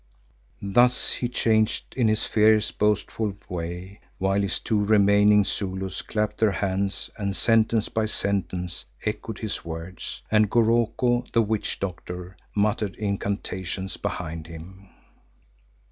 Thus he chanted in his fierce, boastful way, while his two remaining Zulus clapped their hands and sentence by sentence echoed his words, and Goroko, the witch doctor, muttered incantations behind him.